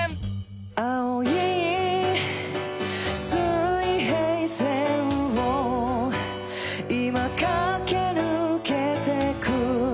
「青い水平線をいま駆け抜けてく」